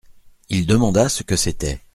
Il demanda ce que c’était.